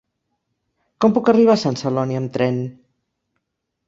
Com puc arribar a Sant Celoni amb tren?